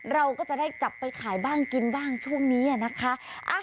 เราก็จะได้กลับไปขายบ้างกินบ้างช่วงนี้นะคะ